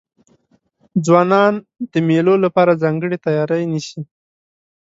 ځوانان د مېلو له پاره ځانګړې تیاری نیسي.